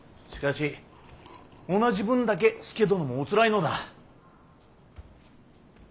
しかし同じ分だけ佐殿もおつらいのだ。